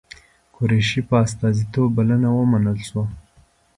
قریشي په استازیتوب بلنه ومنل شوه.